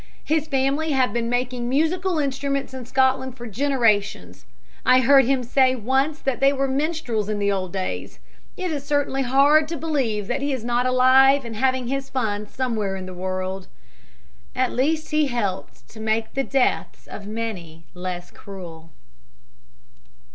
His family have been making musical instruments in Scotland for generations. I heard him say once that they were minstrels in the old days. It is certainly hard to believe that he is not alive and having his fun somewhere in the world." At least he helped to make the deaths of many less cruel.